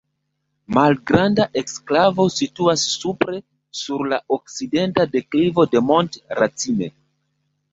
Malgranda eksklavo situas supre sur la okcidenta deklivo de Mont Racine.